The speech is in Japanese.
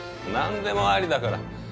何でもありだから。